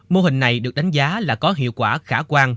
mô hình này được đánh giá là có hiệu quả khả quan